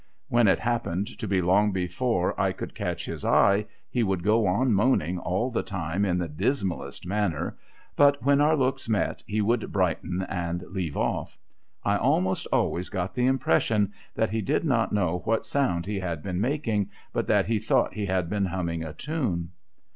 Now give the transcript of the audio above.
When it happened to be long before I could catch his eye, he would go on moaning all th€ time in the dismallest manner ; but, when our looks met, he would brighten and leave off. I almost always got the impression that he did not know what sound he had been making, but that he thought he had been humming a tune.